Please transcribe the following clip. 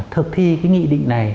thực thi cái nghị định này